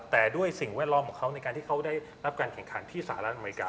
แต่ด้วยสิ่งแวดล้อมของเขาในการที่เขาได้รับการแข่งขันที่สหรัฐอเมริกา